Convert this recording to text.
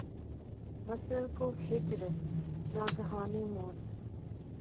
وصل کو ہجر ، ناگہانی موت